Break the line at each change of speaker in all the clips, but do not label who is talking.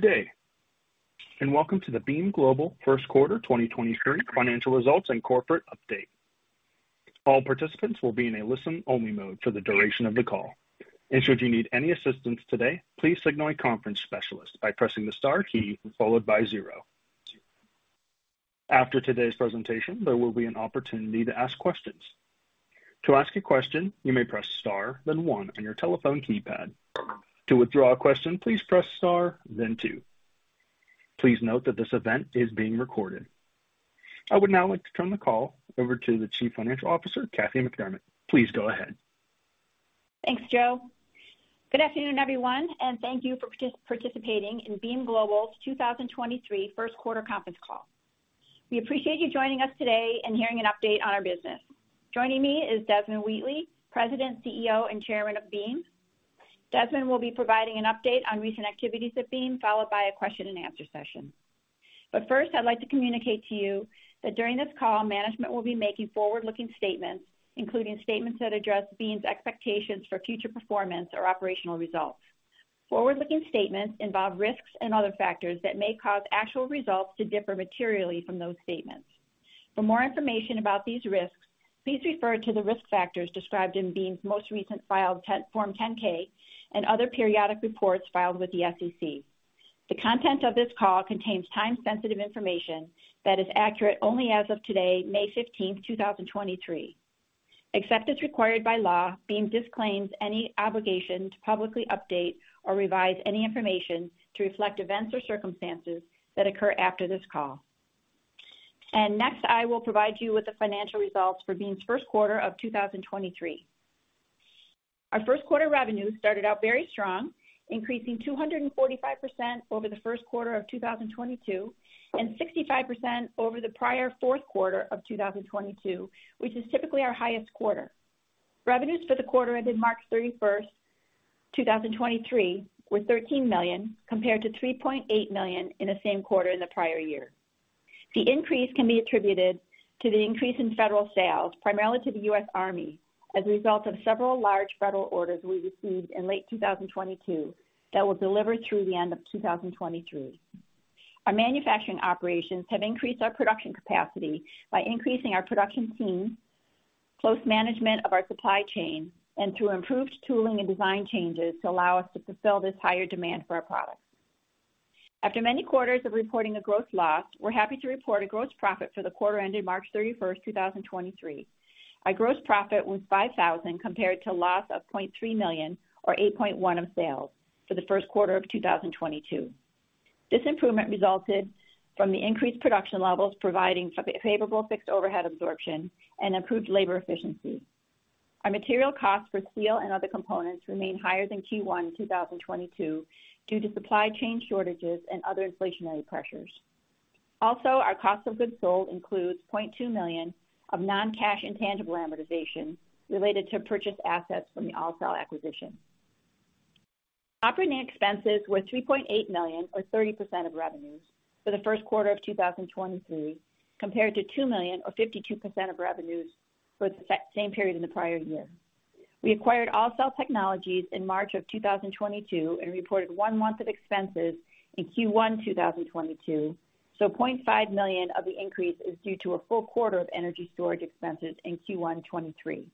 Good day, and welcome to the Beam Global First Quarter 2023 Financial Results and Corporate Update. All participants will be in a listen-only mode for the duration of the call. Should you need any assistance today, please signal a conference specialist by pressing the star key followed by zero. After today's presentation, there will be an opportunity to ask questions. To ask a question, you may press star then one on your telephone keypad. To withdraw a question, please press star then two. Please note that this event is being recorded. I would now like to turn the call over to the Chief Financial Officer, Kathy McDermott. Please go ahead.
Thanks, Joe. Good afternoon, everyone, and thank you for participating in Beam Global's 2023 first quarter conference call. We appreciate you joining us today and hearing an update on our business. Joining me is Desmond Wheatley, President, CEO, and Chairman of Beam. Desmond will be providing an update on recent activities at Beam, followed by a question-and-answer session. First, I'd like to communicate to you that during this call, management will be making forward-looking statements, including statements that address Beam's expectations for future performance or operational results. Forward-looking statements involve risks and other factors that may cause actual results to differ materially from those statements. For more information about these risks, please refer to the risk factors described in Beam's most recent filed Form 10-K and other periodic reports filed with the SEC. The content of this call contains time-sensitive information that is accurate only as of today, May 15th, 2023. Except as required by law, Beam disclaims any obligation to publicly update or revise any information to reflect events or circumstances that occur after this call. Next, I will provide you with the financial results for Beam's first quarter of 2023. Our first quarter revenue started out very strong, increasing 245% over the first quarter of 2022 and 65% over the prior fourth quarter of 2022, which is typically our highest quarter. Revenues for the quarter ended March 31st, 2023, were $13 million, compared to $3.8 million in the same quarter in the prior year. The increase can be attributed to the increase in federal sales, primarily to the U.S. Army, as a result of several large federal orders we received in late 2022 that were delivered through the end of 2023. Our manufacturing operations have increased our production capacity by increasing our production team, close management of our supply chain, and through improved tooling and design changes to allow us to fulfill this higher demand for our products. After many quarters of reporting a gross loss, we're happy to report a gross profit for the quarter ended March 31st, 2023. Our gross profit was $5,000 compared to a loss of $0.3 million or 8.1% of sales for the first quarter of 2022. This improvement resulted from the increased production levels, providing favorable fixed overhead absorption and improved labor efficiency. Our material costs for steel and other components remain higher than Q1 2022 due to supply chain shortages and other inflationary pressures. Our cost of goods sold includes $0.2 million of non-cash intangible amortization related to purchased assets from the AllCell acquisition. Operating expenses were $3.8 million or 30% of revenues for the first quarter of 2023, compared to $2 million or 52% of revenues for the same period in the prior year. We acquired AllCell Technologies in March of 2022 and reported one month of expenses in Q1 2022. $0.5 million of the increase is due to a full quarter of energy storage expenses in Q1 2023.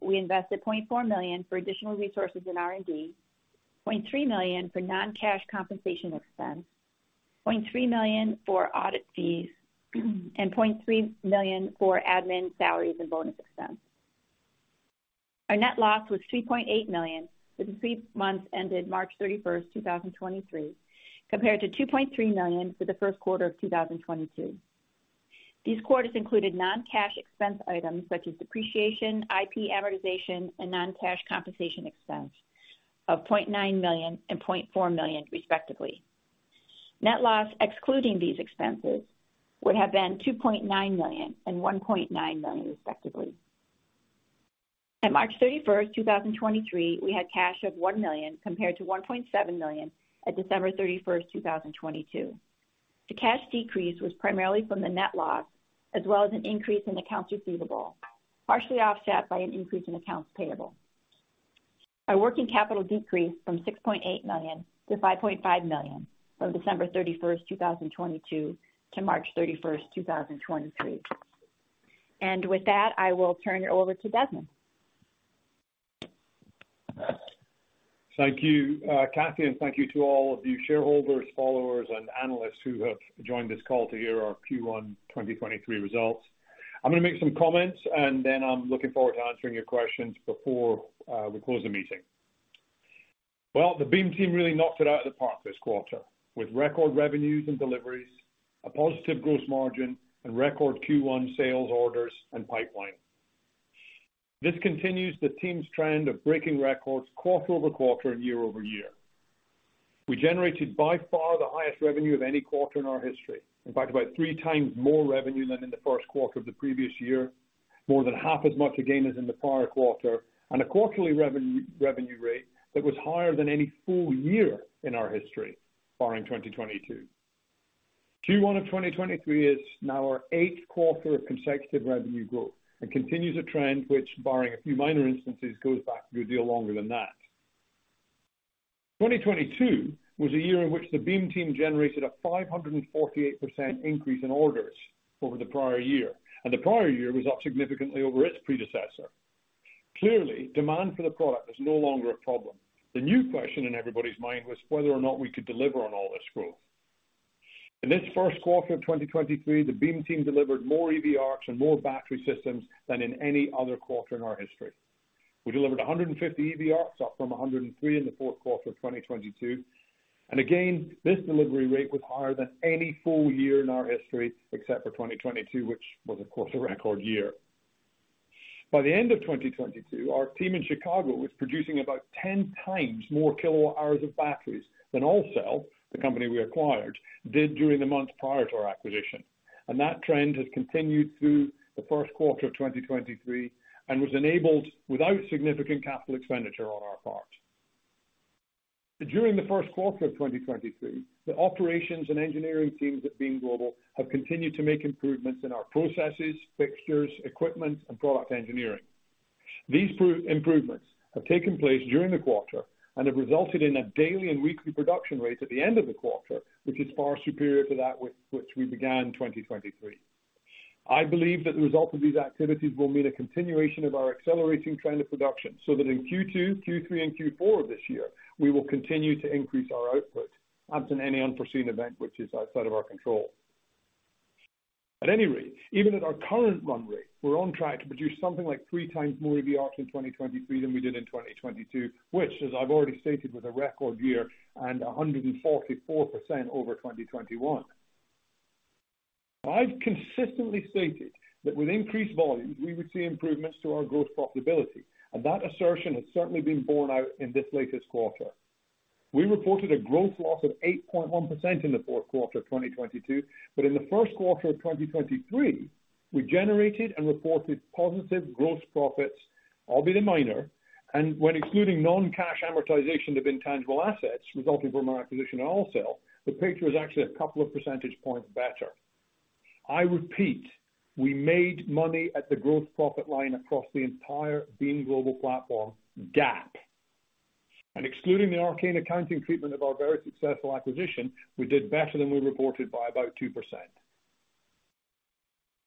We invested $0.4 million for additional resources in R&D, $0.3 million for non-cash compensation expense, $0.3 million for audit fees, and $0.3 million for admin salaries and bonus expense. Our net loss was $3.8 million for the three months ended March 31, 2023, compared to $2.3 million for the first quarter of 2022. These quarters included non-cash expense items such as depreciation, IP amortization, and non-cash compensation expense of $0.9 million and $0.4 million, respectively. Net loss excluding these expenses would have been $2.9 million and $1.9 million, respectively. At March 31, 2023, we had cash of $1 million compared to $1.7 million at December 31, 2022. The cash decrease was primarily from the net loss, as well as an increase in accounts receivable, partially offset by an increase in accounts payable. Our working capital decreased from $6.8 million to $5.5 million from December 31, 2022, to March 31, 2023. With that, I will turn it over to Desmond.
Thank you, Kathy, and thank you to all of you shareholders, followers, and analysts who have joined this call to hear our Q1 2023 results. I'm gonna make some comments, and then I'm looking forward to answering your questions before we close the meeting. Well, the Beam team really knocked it out of the park this quarter with record revenues and deliveries, a positive gross margin, and record Q1 sales orders and pipeline. This continues the team's trend of breaking records quarter-over-quarter and year-over-year. We generated by far the highest revenue of any quarter in our history. In fact, about 3x more revenue than in the first quarter of the previous year, more than half as much again as in the prior quarter, and a quarterly revenue rate that was higher than any full year in our history, barring 2022. Q1 of 2023 is now our eighth quarter of consecutive revenue growth and continues a trend which barring a few minor instances, goes back a good deal longer than that. 2022 was a year in which the Beam team generated a 548% increase in orders over the prior year, and the prior year was up significantly over its predecessor. Clearly, demand for the product is no longer a problem. The new question in everybody's mind was whether or not we could deliver on all this growth. In this first quarter of 2023, the Beam team delivered more EV ARCs and more battery systems than in any other quarter in our history. We delivered 150 EV ARCs, up from 103 in the fourth quarter of 2022. Again, this delivery rate was higher than any full year in our history, except for 2022, which was of course, a record year. By the end of 2022, our team in Chicago was producing about 10 times more kilowatt-hours of batteries than AllCell, the company we acquired, did during the months prior to our acquisition. That trend has continued through the first quarter of 2023 and was enabled without significant capital expenditure on our part. During the first quarter of 2023, the operations and engineering teams at Beam Global have continued to make improvements in our processes, fixtures, equipment, and product engineering. These improvements have taken place during the quarter and have resulted in a daily and weekly production rate at the end of the quarter, which is far superior to that with which we began 2023. I believe that the result of these activities will mean a continuation of our accelerating trend of production, so that in Q2, Q3, and Q4 of this year, we will continue to increase our output absent any unforeseen event which is outside of our control. At any rate, even at our current run rate, we're on track to produce something like 3x more EV ARC in 2023 than we did in 2022, which as I've already stated, was a record year and 144% over 2021. I've consistently stated that with increased volumes, we would see improvements to our growth profitability. That assertion has certainly been borne out in this latest quarter. We reported a growth loss of 8.1% in the fourth quarter of 2022. In the first quarter of 2023, we generated and reported positive gross profits, albeit minor. When excluding non-cash amortization of intangible assets resulting from our acquisition in AllCell, the picture is actually a couple of percentage points better. I repeat, we made money at the gross profit line across the entire Beam Global platform GAAP. Excluding the arcane accounting treatment of our very successful acquisition, we did better than we reported by about 2%.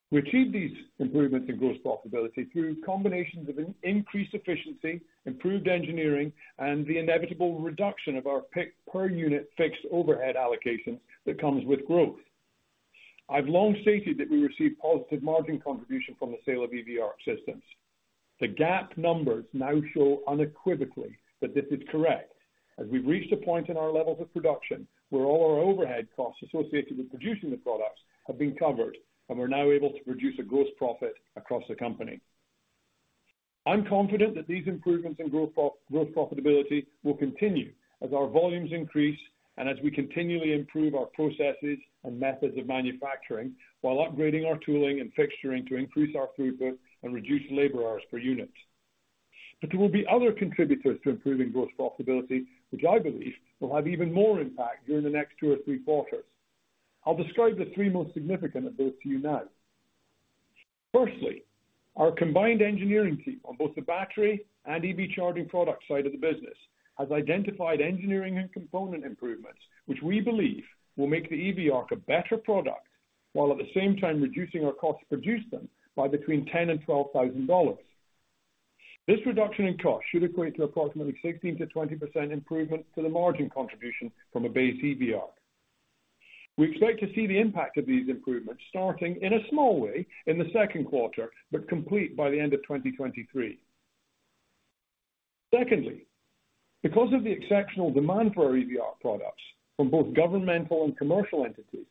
We achieved these improvements in gross profitability through combinations of increased efficiency, improved engineering, and the inevitable reduction of our per unit fixed overhead allocations that comes with growth. I've long stated that we receive positive margin contribution from the sale of EV ARC systems. The GAAP numbers now show unequivocally that this is correct, as we've reached a point in our levels of production where all our overhead costs associated with producing the products have been covered, and we're now able to produce a growth profit across the company. I'm confident that these improvements in growth profitability will continue as our volumes increase and as we continually improve our processes and methods of manufacturing while upgrading our tooling and fixturing to increase our throughput and reduce labor hours per unit. There will be other contributors to improving growth profitability, which I believe will have even more impact during the next two or three quarters. I'll describe the three most significant of those to you now. Firstly, our combined engineering team on both the battery and EV charging product side of the business, has identified engineering and component improvements, which we believe will make the EV ARC a better product, while at the same time reducing our cost to produce them by between $10,000 and $12,000. This reduction in cost should equate to approximately 16%-20% improvement to the margin contribution from a base EV ARC. We expect to see the impact of these improvements starting in a small way in the second quarter, but complete by the end of 2023. Secondly, because of the exceptional demand for our EV ARC products from both governmental and commercial entities,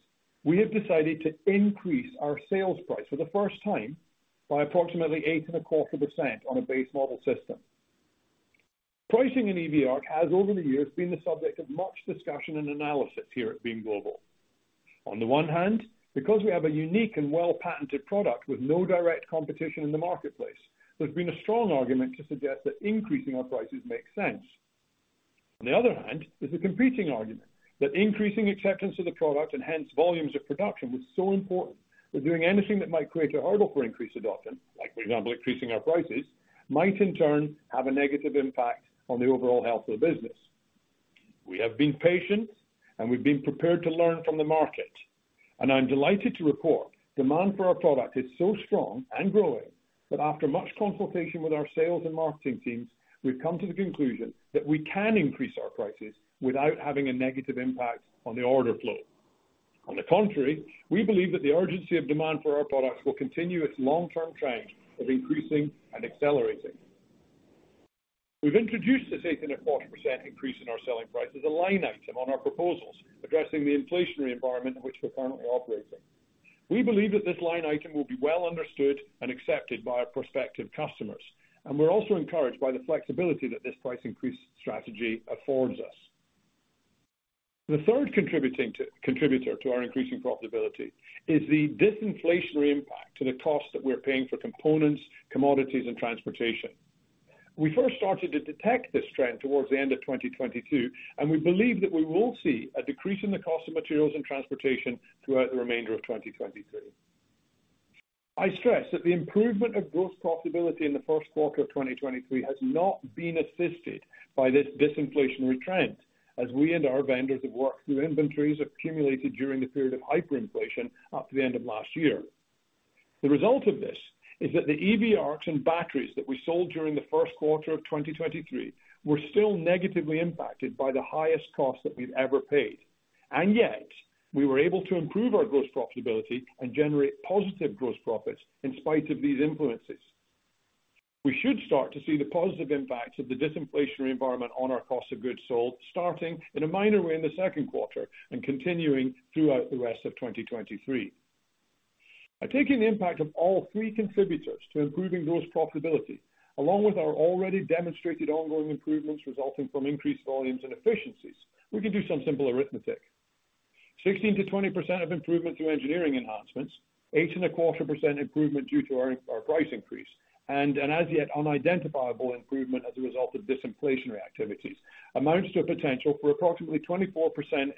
we have decided to increase our sales price for the first time by approximately 8.25% on a base model system. Pricing in EV ARC has over the years been the subject of much discussion and analysis here at Beam Global. On the one hand, because we have a unique and well-patented product with no direct competition in the marketplace, there's been a strong argument to suggest that increasing our prices makes sense. On the other hand, there's a competing argument that increasing acceptance of the product and hence volumes of production was so important that doing anything that might create a hurdle for increased adoption, like, for example, increasing our prices, might in turn have a negative impact on the overall health of the business. We have been patient, and we've been prepared to learn from the market, and I'm delighted to report demand for our product is so strong and growing that after much consultation with our sales and marketing teams, we've come to the conclusion that we can increase our prices without having a negative impact on the order flow. On the contrary, we believe that the urgency of demand for our products will continue its long-term trend of increasing and accelerating. We've introduced this 8.25% increase in our selling price as a line item on our proposals addressing the inflationary environment in which we're currently operating. We believe that this line item will be well understood and accepted by our prospective customers, and we're also encouraged by the flexibility that this price increase strategy affords us. The third contributor to our increasing profitability is the disinflationary impact to the cost that we're paying for components, commodities, and transportation. We first started to detect this trend towards the end of 2022. We believe that we will see a decrease in the cost of materials and transportation throughout the remainder of 2023. I stress that the improvement of gross profitability in the first quarter of 2023 has not been assisted by this disinflationary trend as we and our vendors have worked through inventories accumulated during the period of hyperinflation up to the end of last year. The result of this is that the EV ARCs and batteries that we sold during the first quarter of 2023 were still negatively impacted by the highest cost that we've ever paid, and yet we were able to improve our gross profitability and generate positive gross profits in spite of these influences. We should start to see the positive impacts of the disinflationary environment on our cost of goods sold, starting in a minor way in the second quarter and continuing throughout the rest of 2023. By taking the impact of all three contributors to improving gross profitability, along with our already demonstrated ongoing improvements resulting from increased volumes and efficiencies, we can do some simple arithmetic. 16%-20% of improvement through engineering enhancements, 8.25% improvement due to our price increase and as yet unidentifiable improvement as a result of disinflationary activities, amounts to a potential for approximately 24%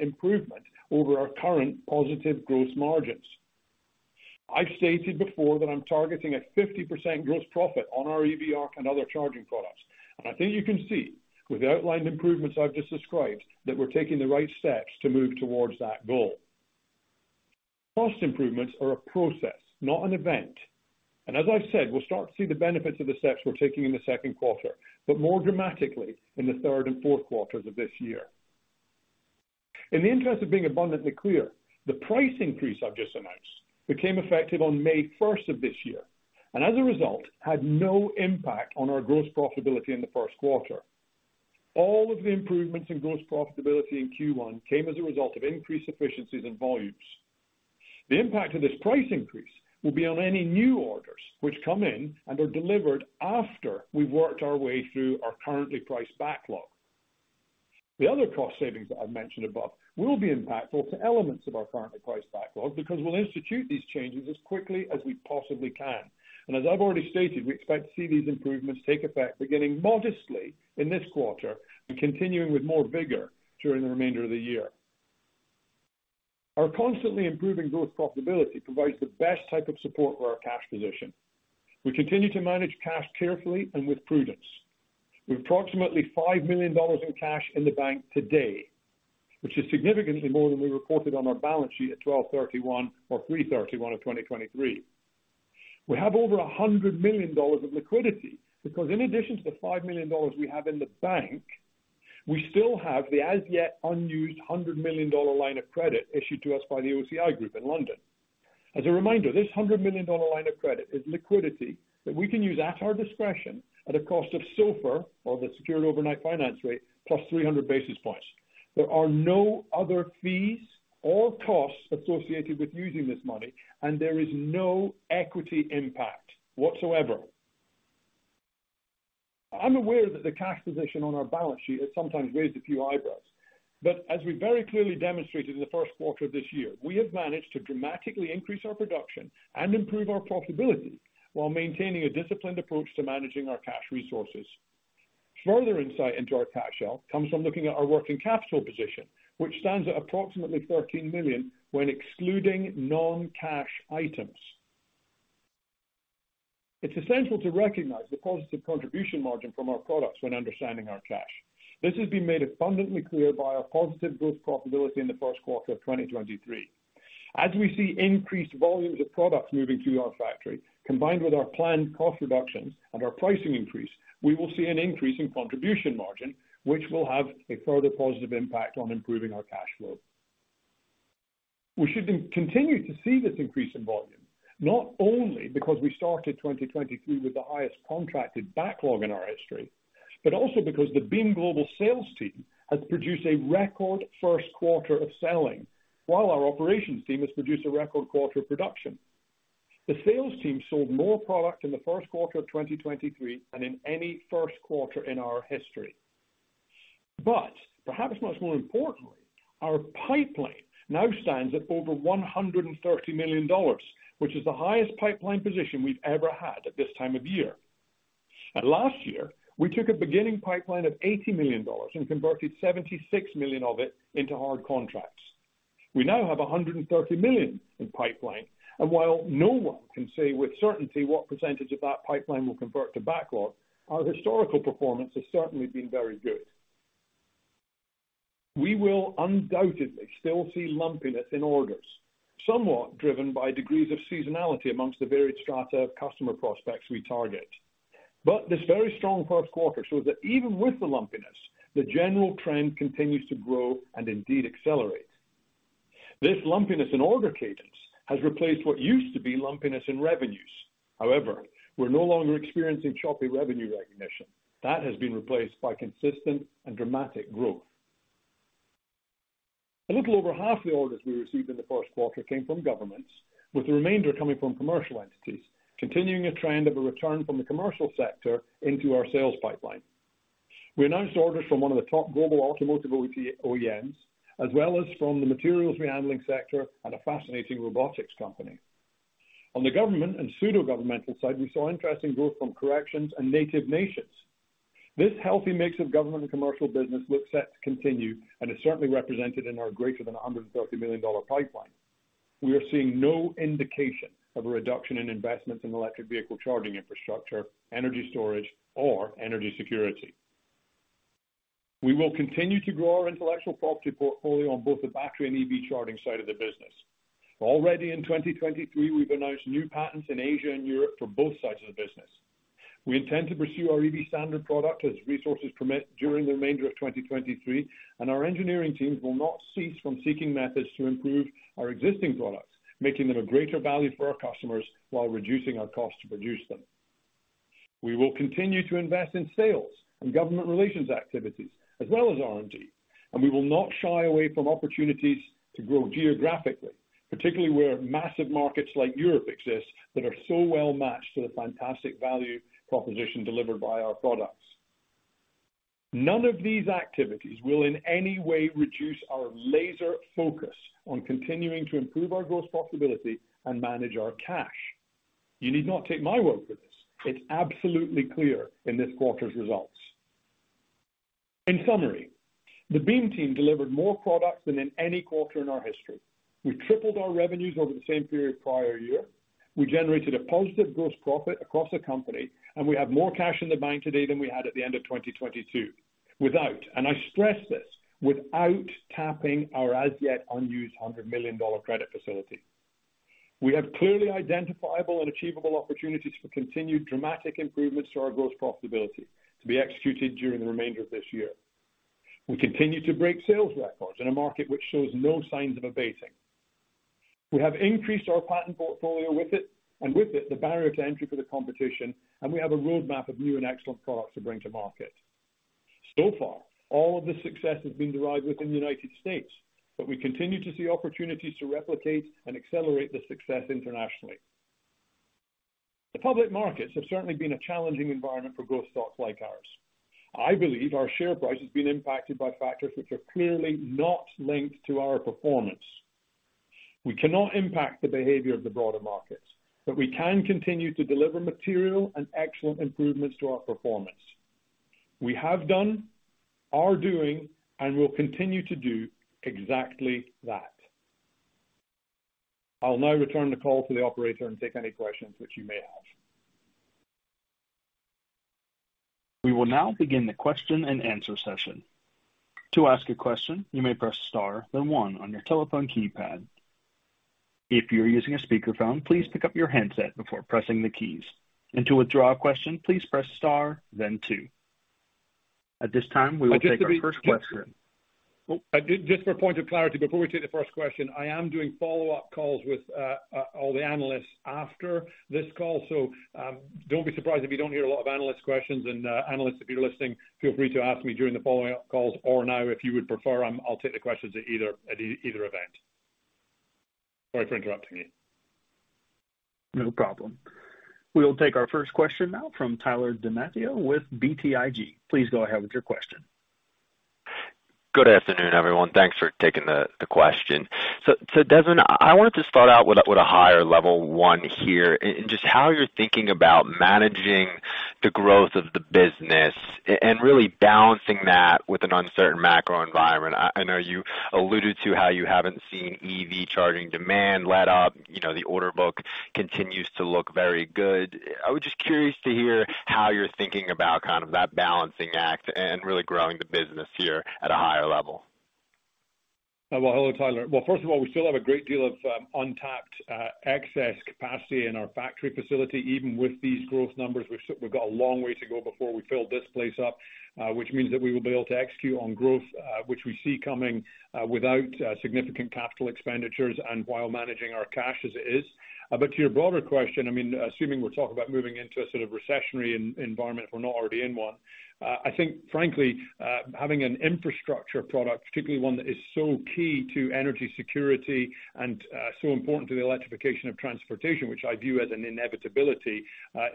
improvement over our current positive gross margins. I've stated before that I'm targeting a 50% gross profit on our EV ARC and other charging products. I think you can see with the outlined improvements I've just described, that we're taking the right steps to move towards that goal. Cost improvements are a process, not an event. As I've said, we'll start to see the benefits of the steps we're taking in the 2nd quarter, but more dramatically in the 3rd and 4th quarters of this year. In the interest of being abundantly clear, the price increase I've just announced became effective on May first of this year, and as a result, had no impact on our gross profitability in the first quarter. All of the improvements in gross profitability in Q1 came as a result of increased efficiencies and volumes. The impact of this price increase will be on any new orders which come in and are delivered after we've worked our way through our currently priced backlog. The other cost savings that I've mentioned above will be impactful to elements of our currently priced backlog because we'll institute these changes as quickly as we possibly can. As I've already stated, we expect to see these improvements take effect, beginning modestly in this quarter and continuing with more vigor during the remainder of the year. Our constantly improving growth profitability provides the best type of support for our cash position. We continue to manage cash carefully and with prudence. We have approximately $5 million in cash in the bank today, which is significantly more than we reported on our balance sheet at 12/31 or 3/31 of 2023. We have over $100 million of liquidity because in addition to the $5 million we have in the bank, we still have the as-yet unused $100 million line of credit issued to us by the OCI Group in London. As a reminder, this $100 million line of credit is liquidity that we can use at our discretion at a cost of SOFR, or the Secured Overnight Financing Rate, +300 basis points. There are no other fees or costs associated with using this money, and there is no equity impact whatsoever. I'm aware that the cash position on our balance sheet has sometimes raised a few eyebrows, but as we very clearly demonstrated in the first quarter of this year, we have managed to dramatically increase our production and improve our profitability while maintaining a disciplined approach to managing our cash resources. Further insight into our cash health comes from looking at our working capital position, which stands at approximately $13 million when excluding non-cash items. It's essential to recognize the positive contribution margin from our products when understanding our cash. This has been made abundantly clear by our positive growth profitability in the first quarter of 2023. As we see increased volumes of products moving through our factory, combined with our planned cost reductions and our pricing increase, we will see an increase in contribution margin, which will have a further positive impact on improving our cash flow. We should continue to see this increase in volume, not only because we started 2023 with the highest contracted backlog in our history, but also because the Beam Global sales team has produced a record first quarter of selling while our operations team has produced a record quarter of production. The sales team sold more product in the first quarter of 2023 than in any first quarter in our history. Perhaps much more importantly, our pipeline now stands at over $130 million, which is the highest pipeline position we've ever had at this time of year. Last year, we took a beginning pipeline of $80 million and converted $76 million of it into hard contracts. We now have $130 million in pipeline, and while no one can say with certainty what % of that pipeline will convert to backlog, our historical performance has certainly been very good. We will undoubtedly still see lumpiness in orders, somewhat driven by degrees of seasonality amongst the varied strata of customer prospects we target. This very strong first quarter shows that even with the lumpiness, the general trend continues to grow and indeed accelerate. This lumpiness in order cadence has replaced what used to be lumpiness in revenues. We're no longer experiencing choppy revenue recognition. That has been replaced by consistent and dramatic growth. A little over half the orders we received in the first quarter came from governments, with the remainder coming from commercial entities, continuing a trend of a return from the commercial sector into our sales pipeline. We announced orders from one of the top global automotive OEMs, as well as from the materials rehandling sector and a fascinating robotics company. The government and pseudo governmental side, we saw interesting growth from corrections and native nations. This healthy mix of government and commercial business looks set to continue and is certainly represented in our greater than $130 million pipeline. We are seeing no indication of a reduction in investments in electric vehicle charging infrastructure, energy storage, or energy security. We will continue to grow our intellectual property portfolio on both the battery and EV charging side of the business. Already in 2023, we've announced new patents in Asia and Europe for both sides of the business. We intend to pursue our EV Standard product as resources permit during the remainder of 2023, and our engineering teams will not cease from seeking methods to improve our existing products, making them a greater value for our customers while reducing our cost to produce them. We will continue to invest in sales and government relations activities as well as R&D, and we will not shy away from opportunities to grow geographically, particularly where massive markets like Europe exist that are so well matched to the fantastic value proposition delivered by our products. None of these activities will in any way reduce our laser focus on continuing to improve our gross profitability and manage our cash. You need not take my word for this. It's absolutely clear in this quarter's results. In summary, the Beam team delivered more products than in any quarter in our history. We tripled our revenues over the same period prior year. We generated a positive gross profit across the company, and we have more cash in the bank today than we had at the end of 2022 without, and I stress this, without tapping our as yet unused $100 million credit facility. We have clearly identifiable and achievable opportunities for continued dramatic improvements to our gross profitability to be executed during the remainder of this year. We continue to break sales records in a market which shows no signs of abating. We have increased our patent portfolio with it, and with it the barrier to entry for the competition, and we have a roadmap of new and excellent products to bring to market. All of this success has been derived within the United States, but we continue to see opportunities to replicate and accelerate the success internationally. The public markets have certainly been a challenging environment for growth stocks like ours. I believe our share price has been impacted by factors which are clearly not linked to our performance. We cannot impact the behavior of the broader markets, but we can continue to deliver material and excellent improvements to our performance. We have done, are doing, and will continue to do exactly that. I'll now return the call to the operator and take any questions which you may have.
We will now begin the question-and-answer session. To ask a question, you may press star, then one on your telephone keypad. If you're using a speakerphone, please pick up your handset before pressing the keys. To withdraw a question, please press star then two. At this time, we will take our first question.
Just for point of clarity before we take the first question, I am doing follow-up calls with all the analysts after this call, so don't be surprised if you don't hear a lot of analyst questions. Analysts, if you're listening, feel free to ask me during the following up calls or now if you would prefer, I'll take the questions at either event. Sorry for interrupting you.
No problem. We'll take our first question now from Tyler DiMatteo with BTIG. Please go ahead with your question.
Good afternoon, everyone. Thanks for taking the question. Desmond, I wanted to start out with a higher level one here and just how you're thinking about managing the growth of the business and really balancing that with an uncertain macro environment. I know you alluded to how you haven't seen EV charging demand let up. You know, the order book continues to look very good. I was just curious to hear how you're thinking about kind of that balancing act and really growing the business here at a higher level.
Well, hello, Tyler. Well, first of all, we still have a great deal of untapped excess capacity in our factory facility. Even with these growth numbers, we've got a long way to go before we fill this place up, which means that we will be able to execute on growth, which we see coming, without significant capital expenditures and while managing our cash as it is. To your broader question, I mean, assuming we're talking about moving into a sort of recessionary environment if we're not already in one, I think frankly, having an infrastructure product, particularly one that is so key to energy security and, so important to the electrification of transportation which I view as an inevitability,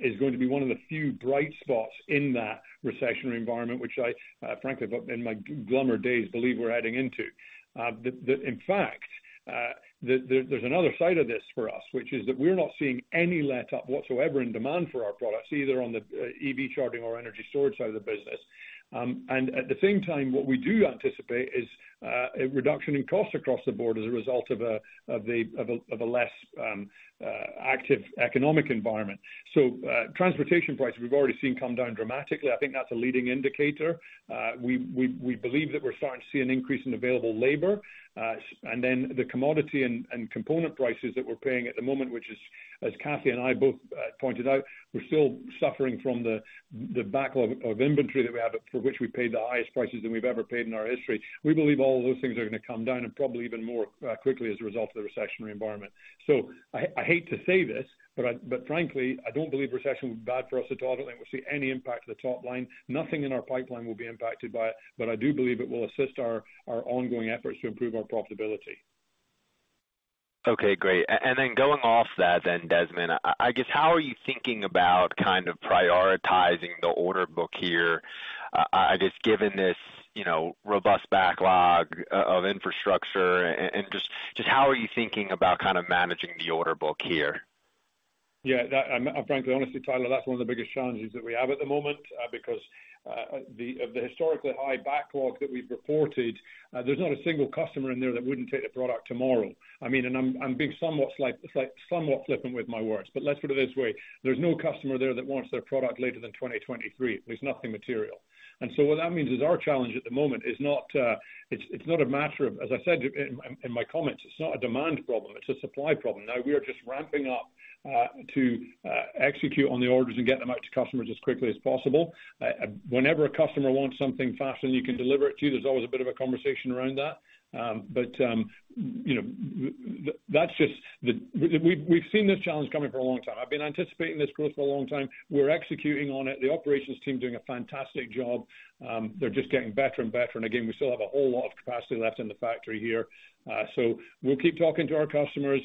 is going to be one of the few bright spots in that recessionary environment, which I, frankly, but in my glummer days, believe we're heading into. The in fact, there's another side of this for us, which is that we're not seeing any letup whatsoever in demand for our products, either on the EV charging or energy storage side of the business. At the same time, what we do anticipate is a reduction in cost across the board as a result of a less active economic environment. Transportation prices we've already seen come down dramatically. I think that's a leading indicator. We believe that we're starting to see an increase in available labor, and then the commodity and component prices that we're paying at the moment, which is, as Kathy and I both pointed out, we're still suffering from the backlog of inventory that we have, for which we paid the highest prices than we've ever paid in our history. We believe all of those things are gonna come down and probably even more quickly as a result of the recessionary environment. I hate to say this, but frankly, I don't believe recession will be bad for us at all. I don't think we'll see any impact to the top line. Nothing in our pipeline will be impacted by it, but I do believe it will assist our ongoing efforts to improve our profitability.
Okay, great. Going off that then, Desmond, I guess how are you thinking about kind of prioritizing the order book here? I just given this, you know, robust backlog of infrastructure and just how are you thinking about kind of managing the order book here?
Frankly honestly, Tyler, that's one of the biggest challenges that we have at the moment because of the historically high backlog that we've reported. There's not a single customer in there that wouldn't take the product tomorrow. I mean, I'm being somewhat flippant with my words, but let's put it this way, there's no customer there that wants their product later than 2023. There's nothing material. What that means is our challenge at the moment is not, it's not a matter of, as I said in my comments, it's not a demand problem, it's a supply problem. We are just ramping up to execute on the orders and get them out to customers as quickly as possible. Whenever a customer wants something faster than you can deliver it to, there's always a bit of a conversation around that. You know, we've seen this challenge coming for a long time. I've been anticipating this growth for a long time. We're executing on it. The operations team doing a fantastic job. They're just getting better and better. Again, we still have a whole lot of capacity left in the factory here. We'll keep talking to our customers,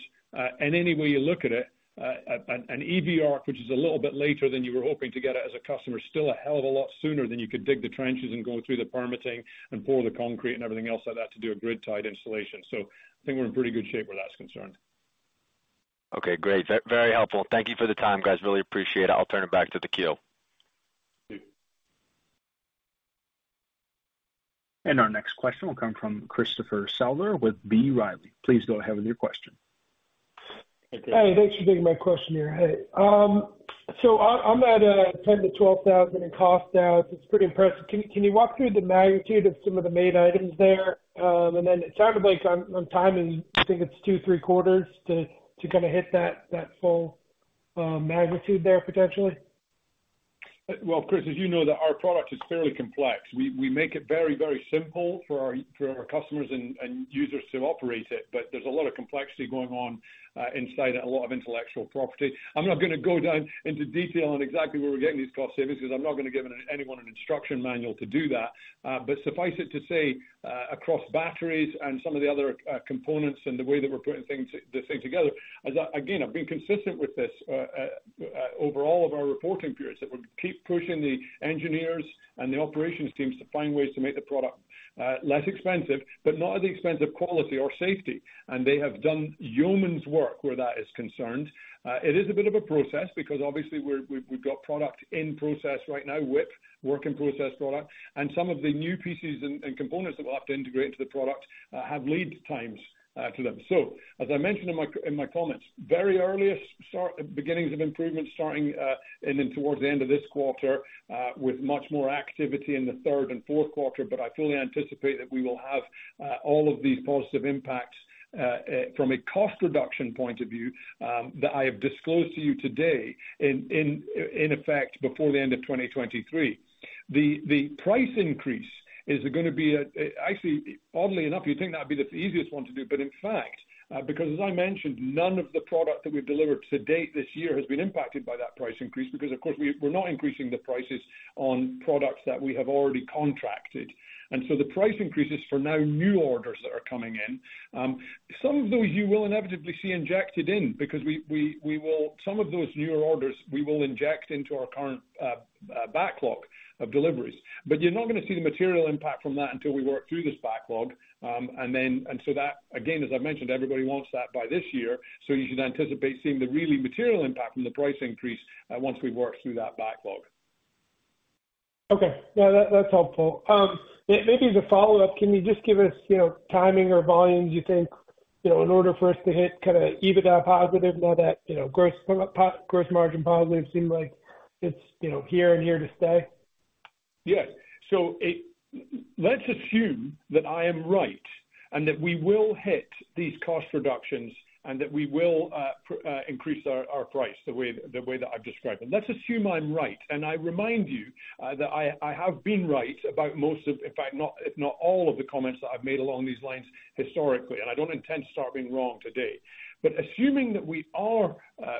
any way you look at it, an EV ARC, which is a little bit later than you were hoping to get it as a customer, is still a hell of a lot sooner than you could dig the trenches and go through the permitting and pour the concrete and everything else like that to do a grid tied installation. I think we're in pretty good shape where that's concerned.
Okay, great. Very helpful. Thank you for the time, guys. Really appreciate it. I'll turn it back to the queue.
Thank you.
Our next question will come from Christopher Souther with B. Riley. Please go ahead with your question.
Hey, thanks for taking my question here. Hey. On that $10,000-$12,000 in cost out, it's pretty impressive. Can you walk through the magnitude of some of the main items there? It sounded like on timing, I think it's 2-3 quarters to kinda hit that full magnitude there potentially.
Chris, as you know that our product is fairly complex. We make it very, very simple for our customers and users to operate it. There's a lot of complexity going on inside a lot of intellectual property. I'm not gonna go down into detail on exactly where we're getting these cost savings, because I'm not gonna give anyone an instruction manual to do that. Suffice it to say, across batteries and some of the other components and the way that we're putting things, this thing together. Again, I've been consistent with this over all of our reporting periods, that we keep pushing the engineers and the operations teams to find ways to make the product less expensive, but not at the expense of quality or safety. They have done yeoman's work where that is concerned. It is a bit of a process because obviously we've got product in process right now, WIP, work in process product, and some of the new pieces and components that we'll have to integrate into the product, have lead times to them. As I mentioned in my comments, very earliest beginnings of improvement starting, and then towards the end of this quarter, with much more activity in the third and fourth quarter. I fully anticipate that we will have all of these positive impacts from a cost reduction point of view, that I have disclosed to you today in effect, before the end of 2023. The price increase is gonna be at... Actually, oddly enough, you'd think that'd be the easiest one to do, but in fact, because as I mentioned, none of the product that we've delivered to date this year has been impacted by that price increase because, of course, we're not increasing the prices on products that we have already contracted. The price increases for now new orders that are coming in. Some of those you will inevitably see injected in because we will inject into our current backlog of deliveries. But you're not gonna see the material impact from that until we work through this backlog. Then, and so that, again, as I mentioned, everybody wants that by this year. You should anticipate seeing the really material impact from the price increase, once we work through that backlog.
Okay. Yeah, that's helpful. Maybe as a follow-up, can you just give us, you know, timing or volumes you think, you know, in order for us to hit kinda EBITDA positive now that, you know, gross margin positive seem like it's, you know, here to stay?
Yes. Let's assume that I am right and that we will hit these cost reductions and that we will increase our price the way that I've described them. Let's assume I'm right, and I remind you that I have been right about most of, if not all of the comments that I've made along these lines historically, and I don't intend to start being wrong today. Assuming that we are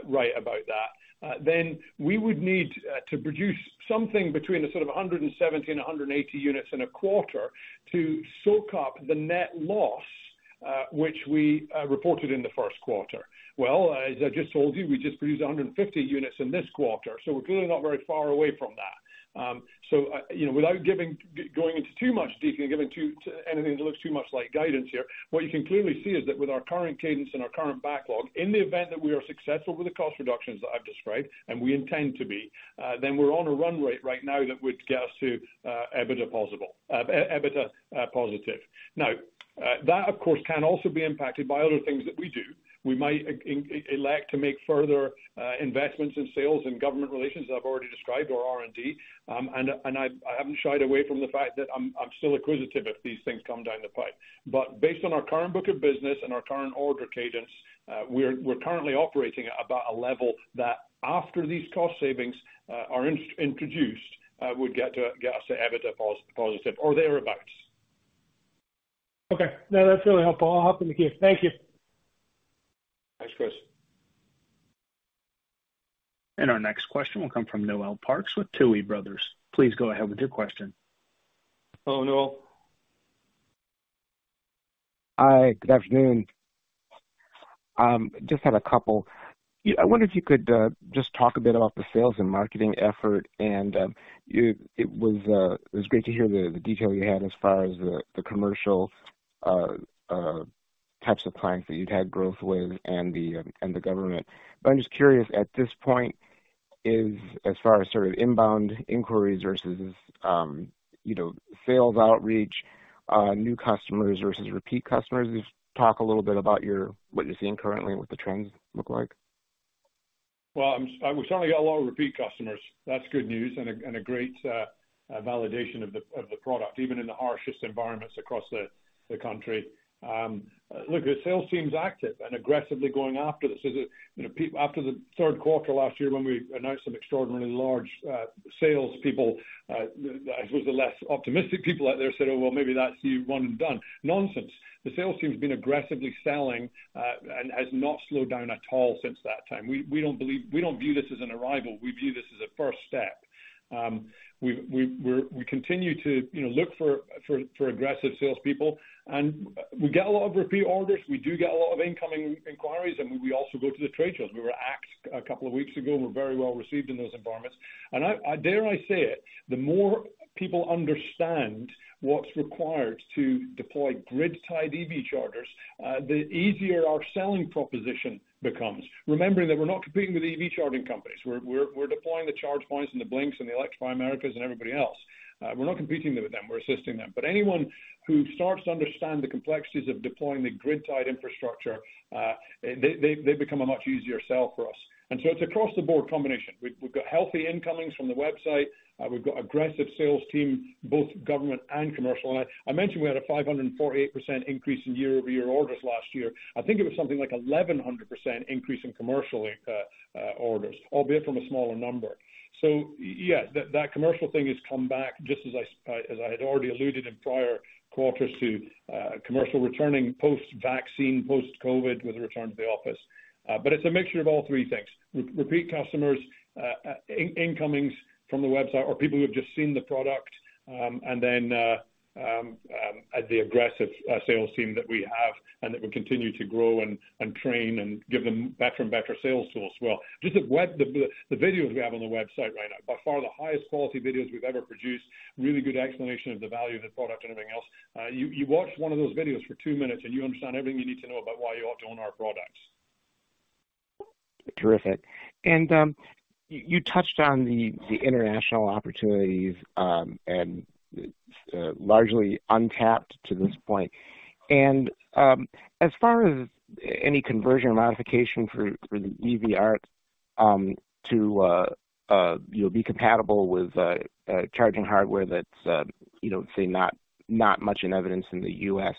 right about that, then we would need to produce something between the sort of 170 and 180 units in a quarter to soak up the net loss, which we reported in the first quarter. As I just told you, we just produced 150 units in this quarter, we're clearly not very far away from that. You know, without going into too much detail, giving to anything that looks too much like guidance here, what you can clearly see is that with our current cadence and our current backlog, in the event that we are successful with the cost reductions that I've described, and we intend to be, we're on a run rate right now that would get us to EBITDA positive. That of course, can also be impacted by other things that we do. We might elect to make further investments in sales and government relations, as I've already described, or R&D. I haven't shied away from the fact that I'm still inquisitive if these things come down the pipe. Based on our current book of business and our current order cadence, we're currently operating at about a level that after these cost savings are introduced, would get us to EBITDA positive or thereabouts.
Okay. No, that's really helpful. I'll hop in the queue. Thank you.
Thanks, Chris.
Our next question will come from Noel Parks with Tuohy Brothers. Please go ahead with your question.
Hello, Noel.
Hi, good afternoon. Just had a couple. I wonder if you could just talk a bit about the sales and marketing effort, and it was great to hear the detail you had as far as the commercial types of clients that you'd had growth with and the government. I'm just curious, at this point is, as far as sort of inbound inquiries versus, you know, sales outreach, new customers versus repeat customers. Just talk a little bit about what you're seeing currently and what the trends look like?
Well, we certainly got a lot of repeat customers. That's good news and a great validation of the product, even in the harshest environments across the country. Look, the sales team's active and aggressively going after this. Is it, you know, after the third quarter last year when we announced some extraordinarily large salespeople, I suppose the less optimistic people out there said, "Oh, well, maybe that's you one and done." Nonsense. The sales team's been aggressively selling and has not slowed down at all since that time. We don't view this as an arrival, we view this as a first step. We continue to, you know, look for aggressive salespeople. We get a lot of repeat orders. We do get a lot of incoming inquiries, and we also go to the trade shows. We were at a couple of weeks ago and were very well received in those environments. I dare I say it, the more people understand what's required to deploy grid-tied EV chargers, the easier our selling proposition becomes. Remembering that we're not competing with EV charging companies. We're deploying the ChargePoint and the Blink and the Electrify America and everybody else. We're not competing with them, we're assisting them. Anyone who starts to understand the complexities of deploying the grid-tied infrastructure, they become a much easier sell for us. It's across the board combination. We've got healthy incomings from the website. We've got aggressive sales team, both government and commercial. I mentioned we had a 548% increase in year-over-year orders last year. I think it was something like 1,100% increase in commercial orders, albeit from a smaller number. Yes, that commercial thing has come back just as I had already alluded in prior quarters to commercial returning post-vaccine, post-COVID with a return to the office. It's a mixture of all three things. Repeat customers, incomings from the website or people who have just seen the product, and then the aggressive sales team that we have and that we continue to grow and train and give them better and better sales source. Well, just the videos we have on the website right now, by far the highest quality videos we've ever produced. Really good explanation of the value of the product and everything else. You watch one of those videos for two minutes, you understand everything you need to know about why you ought to own our products.
Terrific. You touched on the international opportunities, and largely untapped to this point. As far as any conversion or modification for the EV ARC, to, you know, be compatible with charging hardware that's, you know, say, not much in evidence in the U.S.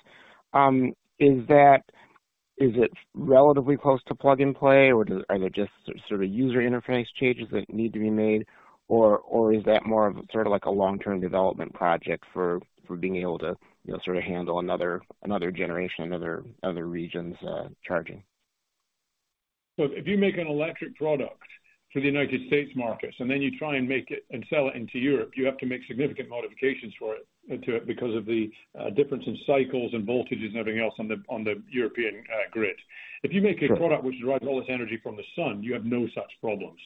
Is it relatively close to plug and play, or are there just sort of user interface changes that need to be made? Or, is that more of sort of like a long-term development project for being able to, you know, sort of handle another generation, other regions' charging?
Look, if you make an electric product for the United States markets, and then you try and make it and sell it into Europe, you have to make significant modifications for it to it because of the difference in cycles and voltages and everything else on the European grid.
Sure.
If you make a product which derives all its energy from the sun, you have no such problems.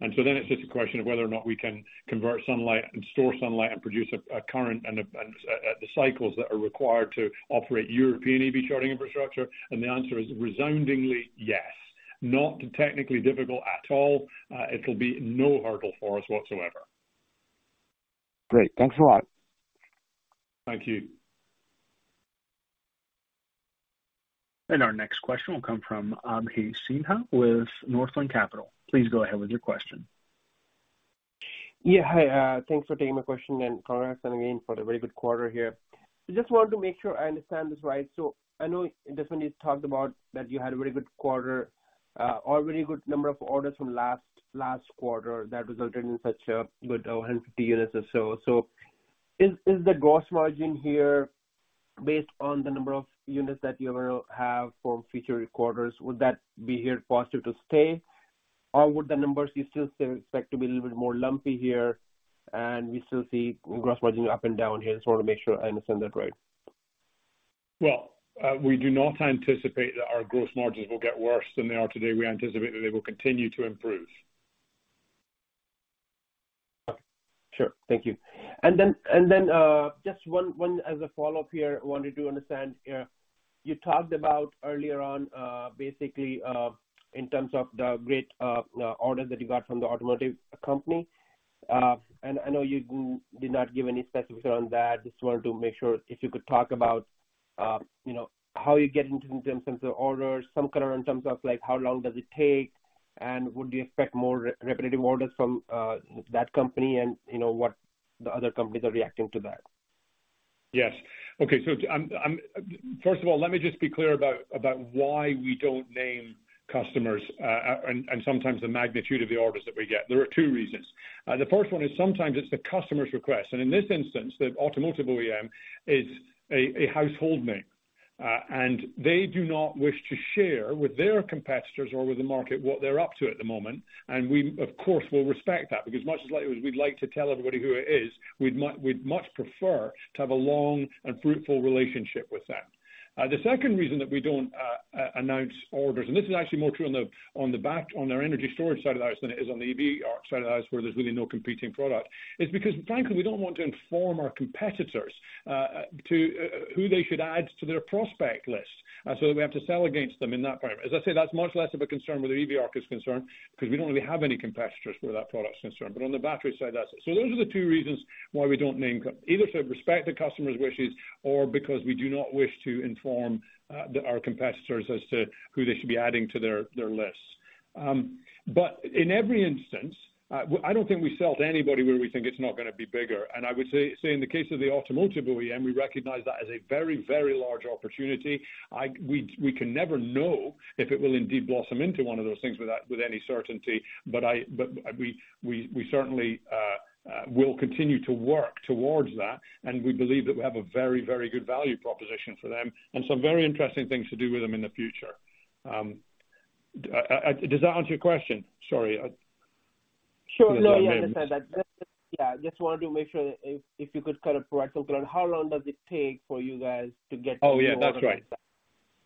It's just a question of whether or not we can convert sunlight and store sunlight and produce a current and, the cycles that are required to operate European EV charging infrastructure, and the answer is resoundingly yes. Not technically difficult at all. It'll be no hurdle for us whatsoever.
Great. Thanks a lot.
Thank you.
Our next question will come from Abhay Sinha with Northland Capital. Please go ahead with your question.
Hi. Thanks for taking my question, and congrats again for the very good quarter here. I just want to make sure I understand this right. I know definitely you talked about that you had a very good quarter, or very good number of orders from last quarter that resulted in such a good 150 units or so. Is the gross margin here based on the number of units that you have for future quarters, would that be here for us to stay? Would the numbers you still expect to be a little bit more lumpy here, and we still see gross margin up and down here? Just wanna make sure I understand that right.
We do not anticipate that our gross margins will get worse than they are today. We anticipate that they will continue to improve.
Sure. Thank you. Then, just one as a follow-up here, I wanted to understand. You talked about earlier on, basically, in terms of the great orders that you got from the automotive company. I know you did not give any specification on that. Just wanted to make sure if you could talk about, you know, how you get into the terms of the orders, some color in terms of like how long does it take, and would you expect more repetitive orders from that company and, you know, what the other companies are reacting to that?
Yes. Okay. I'm First of all, let me just be clear about why we don't name customers, and sometimes the magnitude of the orders that we get. There are two reasons. The first one is sometimes it's the customer's request, and in this instance, the automotive OEM is a household name. And they do not wish to share with their competitors or with the market what they're up to at the moment. We, of course, will respect that because much as like we'd like to tell everybody who it is, we'd much prefer to have a long and fruitful relationship with them. The second reason that we don't announce orders, and this is actually more true on our energy storage side of the house than it is on the EV ARC side of the house where there's really no competing product, is because frankly we don't want to inform our competitors, to who they should add to their prospect list, so that we have to sell against them in that part. As I said, that's much less of a concern where the EV ARC is concerned because we don't really have any competitors where that product is concerned, but on the battery side, that's it. Those are the two reasons why we don't name, either to respect the customer's wishes or because we do not wish to inform our competitors as to who they should be adding to their lists. But in every instance, I don't think we sell to anybody where we think it's not gonna be bigger. I would say in the case of the automotive OEM, we recognize that as a very, very large opportunity. We can never know if it will indeed blossom into one of those things with that, with any certainty. We certainly will continue to work towards that, and we believe that we have a very, very good value proposition for them and some very interesting things to do with them in the future. Does that answer your question? Sorry.
Sure. You understand that. Just wanted to make sure if you could kind of provide some color on how long does it take for you guys to.
Oh yeah, that's right.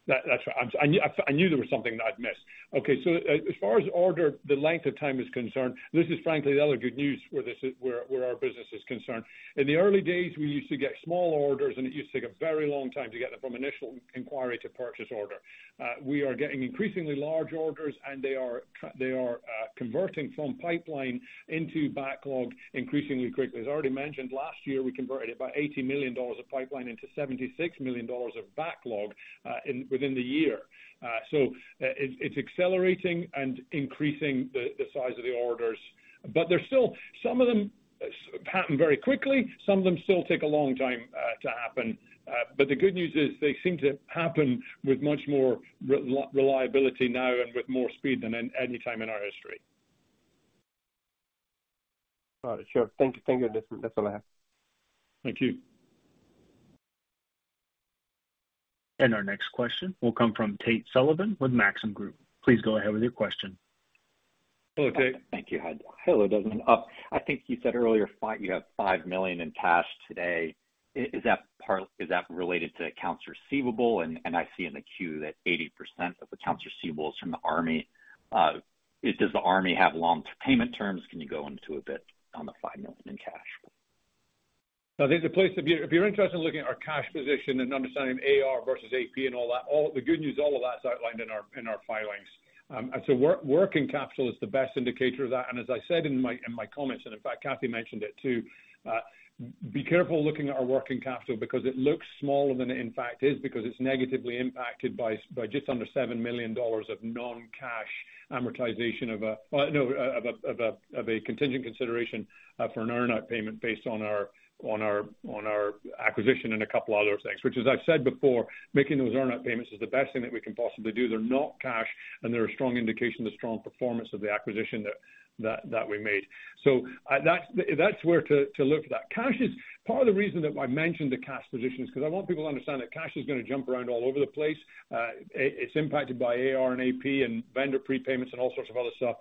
That's right. I knew there was something that I'd missed. Okay. As far as order, the length of time is concerned, this is frankly the other good news where our business is concerned. In the early days, we used to get small orders and it used to take a very long time to get them from initial inquiry to purchase order. We are getting increasingly large orders and they are converting from pipeline into backlog increasingly quickly. As I already mentioned, last year we converted about $80 million of pipeline into $76 million of backlog within the year. It's accelerating and increasing the size of the orders. There's still some of them pattern very quickly. Some of them still take a long time to happen. The good news is they seem to happen with much more reliability now and with more speed than any time in our history.
All right. Sure. Thank you. Thank you. That's all I have.
Thank you.
Our next question will come from Tate Sullivan with Maxim Group. Please go ahead with your question.
Hello, Tate.
Thank you. Hello, Desmond. I think you said earlier you have $5 million in cash today. Is that related to accounts receivable? I see in the Q that 80% of accounts receivable is from the Army. Does the Army have long payment terms? Can you go into a bit on the $5 million in cash?
There's a place if you're interested in looking at our cash position and understanding AR versus AP and all that, all the good news, all of that's outlined in our filings. Working capital is the best indicator of that. As I said in my comments, and in fact Kathy mentioned it too, be careful looking at our working capital because it looks smaller than it in fact is because it's negatively impacted by just under $7 million of non-cash amortization of a contingent consideration for an earn out payment based on our acquisition and a couple other things. Which as I've said before, making those earn out payments is the best thing that we can possibly do. They're not cash, and they're a strong indication of strong performance of the acquisition that we made. That's where to look for that. Part of the reason that I mentioned the cash position is because I want people to understand that cash is gonna jump around all over the place. It's impacted by AR and AP and vendor prepayments and all sorts of other stuff.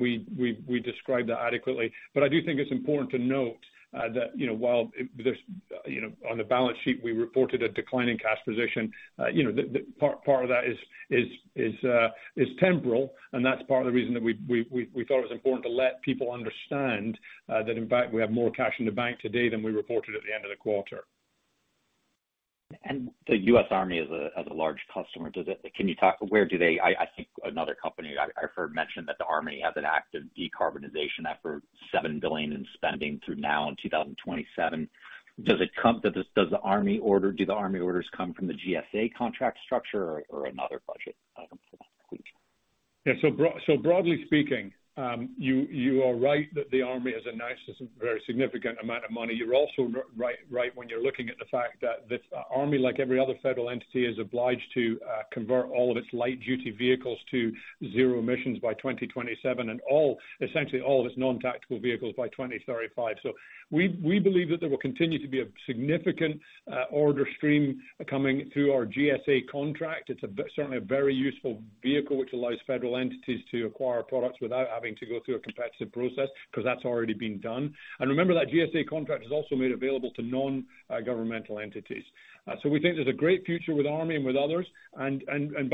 We describe that adequately. I do think it's important to note, that, you know, while there's, you know, on the balance sheet we reported a decline in cash position, you know, the part of that is temporal, and that's part of the reason that we thought it was important to let people understand, that in fact we have more cash in the bank today than we reported at the end of the quarter.
The U.S. Army is a large customer. I think another company I've heard mention that the U.S. Army has an active decarbonization effort, $7 billion in spending through now in 2027. Do the U.S. Army orders come from the GSA contract structure or another budget item for that fleet?
Yeah. Broadly speaking, you are right that the Army is a nice, very significant amount of money. You're also right when you're looking at the fact that this Army, like every other federal entity, is obliged to convert all of its light duty vehicles to zero emissions by 2027, essentially all of its non-tactical vehicles by 2035. We believe that there will continue to be a significant order stream coming through our GSA contract. It's certainly a very useful vehicle which allows federal entities to acquire products without having to go through a competitive process because that's already been done. Remember that GSA contract is also made available to non-governmental entities. We think there's a great future with Army and with others. By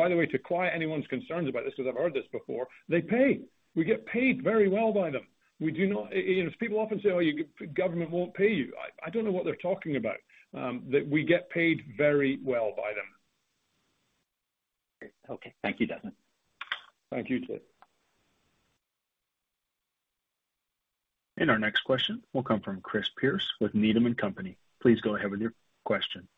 the way, to quiet anyone's concerns about this, because I've heard this before, they pay. We get paid very well by them. We do not. You know, people often say, "Oh, you, government won't pay you." I don't know what they're talking about. That we get paid very well by them.
Okay. Thank you, Desmond.
Thank you, Tate.
Our next question will come from Chris Pierce with Needham & Company. Please go ahead with your question.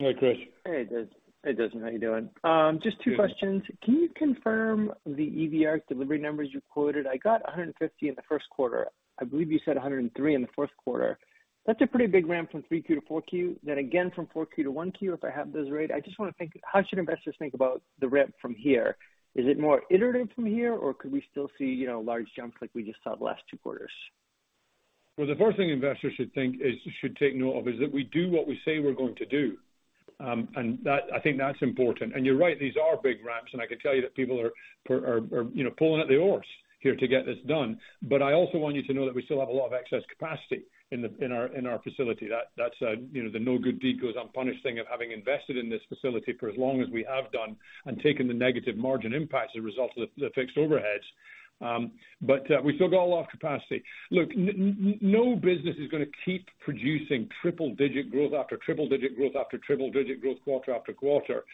Hey, Chris.
Hey, Des. Hey, Desmond, how you doing? Just two questions. Can you confirm the EV ARC delivery numbers you quoted? I got 150 in the first quarter. I believe you said 103 in the fourth quarter. That's a pretty big ramp from 3Q to 4Q, then again from 4Q to 1Q, if I have those right. I just wanna think, how should investors think about the ramp from here? Is it more iterative from here, or could we still see, you know, large jumps like we just saw the last two quarters?
Well, the first thing investors should take note of is that we do what we say we're going to do. That I think that's important. You're right, these are big ramps, and I can tell you that people are, you know, pulling at the oars here to get this done. I also want you to know that we still have a lot of excess capacity in our facility. That's, you know, the no good deed goes unpunished thing of having invested in this facility for as long as we have done and taking the negative margin impacts as a result of the fixed overheads. We still got a lot of capacity. Look, no business is gonna keep producing triple-digit growth after triple-digit growth after triple-digit growth quarter after quarter,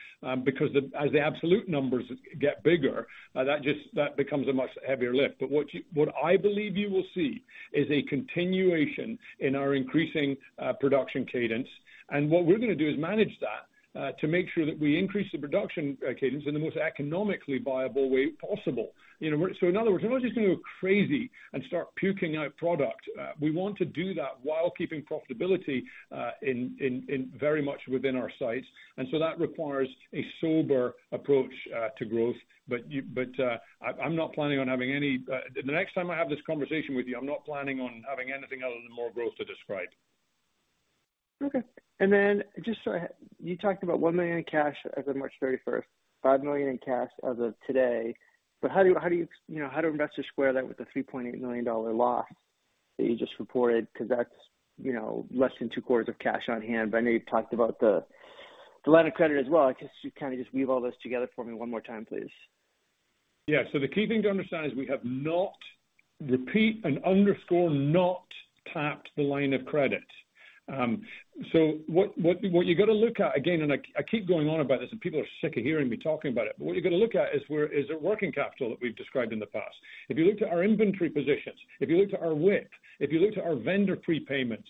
because as the absolute numbers get bigger, that becomes a much heavier lift. What I believe you will see is a continuation in our increasing production cadence. What we're gonna do is manage that to make sure that we increase the production cadence in the most economically viable way possible. You know, in other words, we're not just gonna go crazy and start puking out product. We want to do that while keeping profitability in very much within our sights. That requires a sober approach to growth. I'm not planning on having any. The next time I have this conversation with you, I'm not planning on having anything other than more growth to describe.
Just so you talked about $1 million in cash as of March 31st, $5 million in cash as of today. How do you know, how do investors square that with the $3.8 million loss that you just reported? 'Cause that's, you know, less than two quarters of cash on hand. I know you talked about the line of credit as well. I guess you kinda just weave all those together for me one more time, please.
Yeah. The key thing to understand is we have not, repeat and underscore, not tapped the line of credit. What you gotta look at, again, and I keep going on about this, and people are sick of hearing me talking about it, but what you gotta look at is the working capital that we've described in the past. If you look to our inventory positions, if you look to our WIP, if you look to our vendor prepayments,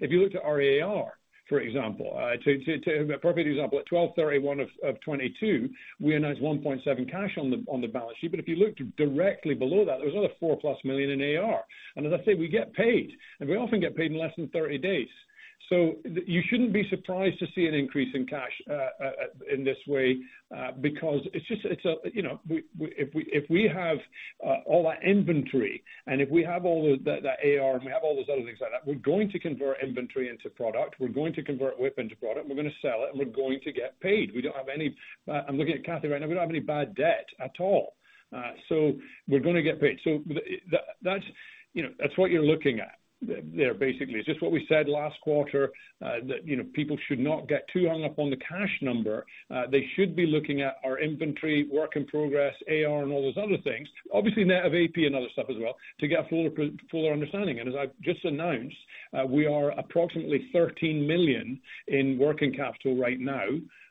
if you look to our AR, for example, to appropriate example, at 12/31 of 2022, we announced $1.7 cash on the balance sheet. If you look directly below that, there was another $4-plus million in AR. As I say, we get paid, and we often get paid in less than 30 days. You shouldn't be surprised to see an increase in cash in this way because it's just, you know, if we have all our inventory and if we have all of the AR, and we have all those other things like that, we're going to convert inventory into product. We're going to convert WIP into product. We're gonna sell it, and we're going to get paid. I'm looking at Kathy right now. We don't have any bad debt at all. We're gonna get paid. That's, you know, that's what you're looking at there basically. It's just what we said last quarter that, you know, people should not get too hung up on the cash number. They should be looking at our inventory, work in progress, AR, and all those other things, obviously net of AP and other stuff as well, to get a fuller understanding. As I've just announced, we are approximately $13 million in working capital right now.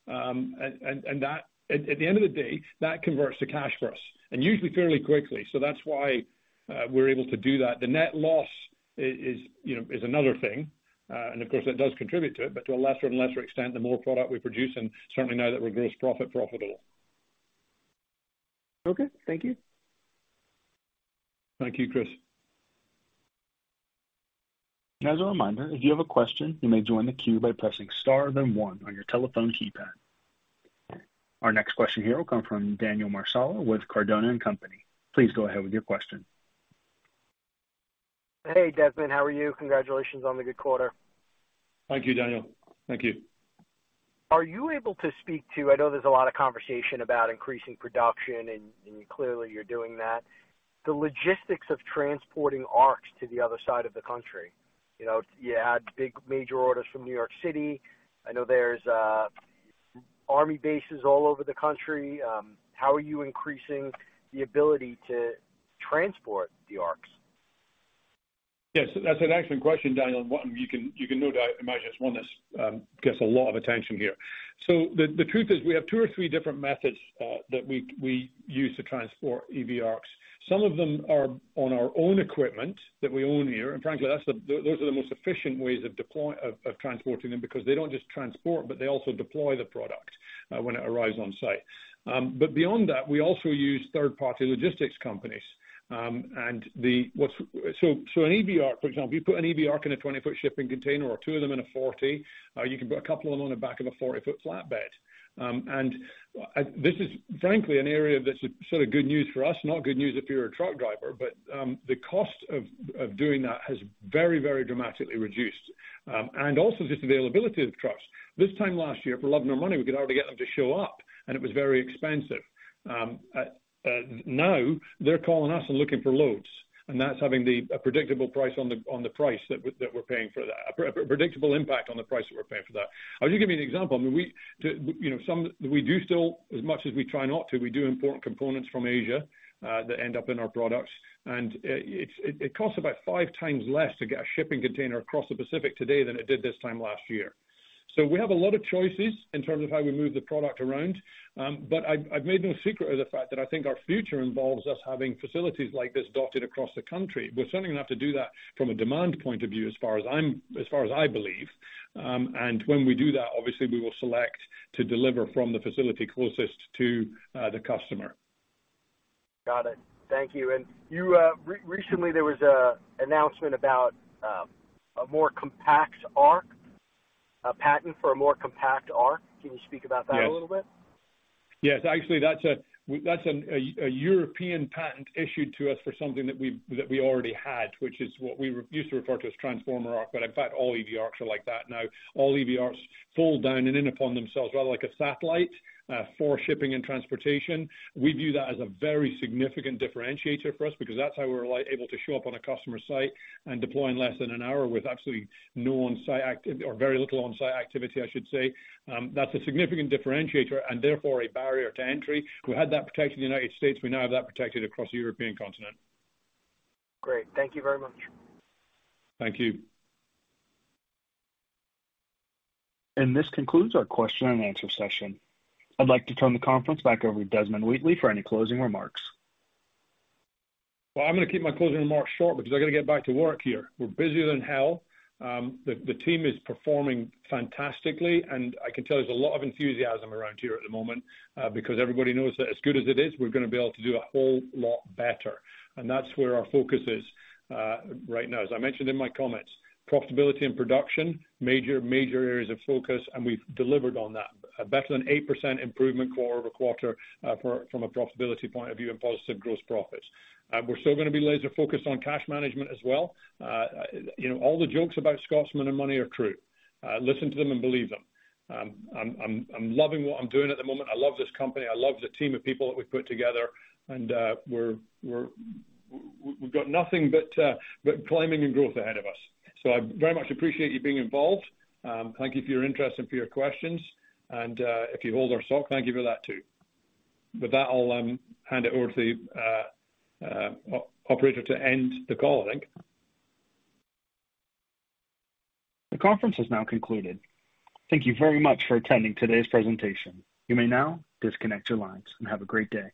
That, at the end of the day, that converts to cash for us, and usually fairly quickly. That's why we're able to do that. The net loss is, you know, is another thing. Of course that does contribute to it, but to a lesser and lesser extent the more product we produce and certainly now that we're gross profit profitable.
Okay. Thank you.
Thank you, Chris.
As a reminder, if you have a question, you may join the queue by pressing star then one on your telephone keypad. Our next question here will come from Daniel Mazur with Cardona & Company. Please go ahead with your question.
Hey, Desmond. How are you? Congratulations on the good quarter.
Thank you, Daniel. Thank you.
Are you able to speak to, I know there's a lot of conversation about increasing production and clearly you're doing that. The logistics of transporting ARCs to the other side of the country. You know, you had big major orders from New York City. I know there's Army bases all over the country. How are you increasing the ability to transport the ARCs?
Yes, that's an excellent question, Daniel, and one you can no doubt imagine it's one that gets a lot of attention here. The truth is we have two or three different methods that we use to transport EV ARCs. Some of them are on our own equipment that we own here. Frankly, those are the most efficient ways of transporting them because they don't just transport, but they also deploy the product when it arrives on site. Beyond that, we also use third-party logistics companies. An EV ARC, for example, you put an EV ARC in a 20-foot shipping container or two of them in a 40. You can put a couple of them on the back of a 40-foot flatbed. This is frankly an area that's sort of good news for us, not good news if you're a truck driver. The cost of doing that has very, very dramatically reduced. Also just availability of trucks. This time last year, for love nor money, we could hardly get them to show up, and it was very expensive. Now they're calling us and looking for loads, and that's having the, a predictable price on the, on the price that we're paying for that. A predictable impact on the price that we're paying for that. I'll just give you an example. I mean, we, to, you know, some, we do still, as much as we try not to, we do import components from Asia, that end up in our products. It costs about 5x less to get a shipping container across the Pacific today than it did this time last year. We have a lot of choices in terms of how we move the product around. I've made no secret of the fact that I think our future involves us having facilities like this dotted across the country. We're certainly gonna have to do that from a demand point of view, as far as I believe. When we do that, obviously we will select to deliver from the facility closest to the customer.
Got it. Thank you. You recently there was a announcement A more compact ARC, a patent for a more compact ARC. Can you speak about that a little bit?
Yes. Actually, that's a, that's an a European patent issued to us for something that we, that we already had, which is what we used to refer to as Transformer ARC, but in fact, all EV ARCs are like that now. All EV ARCs fold down and in upon themselves, rather like a satellite, for shipping and transportation. We view that as a very significant differentiator for us because that's how we're able to show up on a customer site and deploy in less than an hour with absolutely no on-site or very little on-site activity, I should say. That's a significant differentiator and therefore a barrier to entry. We had that protected in the United States. We now have that protected across the European continent.
Great. Thank you very much.
Thank you.
This concludes our question and answer session. I'd like to turn the conference back over to Desmond Wheatley for any closing remarks.
Well, I'm gonna keep my closing remarks short because I gotta get back to work here. We're busier than hell. The team is performing fantastically, and I can tell there's a lot of enthusiasm around here at the moment, because everybody knows that as good as it is, we're gonna be able to do a whole lot better. That's where our focus is right now. As I mentioned in my comments, profitability and production, major areas of focus, we've delivered on that. Better than 8% improvement quarter-over-quarter from a profitability point of view and positive gross profits. We're still gonna be laser focused on cash management as well. you know, all the jokes about Scotsmen and money are true. listen to them and believe them. I'm loving what I'm doing at the moment. I love this company. I love the team of people that we've put together and we've got nothing but climbing and growth ahead of us. I very much appreciate you being involved. Thank you for your interest and for your questions. If you hold our stock, thank you for that too. With that, I'll hand it over to operator to end the call, I think.
The conference has now concluded. Thank you very much for attending today's presentation. You may now disconnect your lines and have a great day.